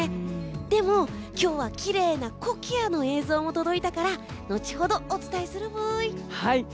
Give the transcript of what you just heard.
でも、今日はきれいなコキアの映像も届いたから後ほどお伝えするブイ！